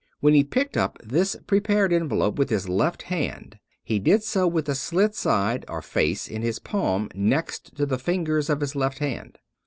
When he picked up this prepared envelope with his left handy he did so with the slit side or face in his palm next to the fingers of his left hand.